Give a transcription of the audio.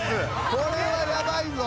これはやばいぞ！